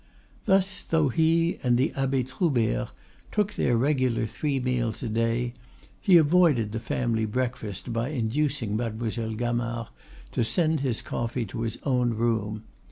Thus, though he and the Abbe Troubert took their regular three meals a day, he avoided the family breakfast by inducing Mademoiselle Gamard to send his coffee to his own room.